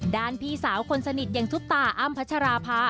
พี่สาวคนสนิทอย่างซุปตาอ้ำพัชราภา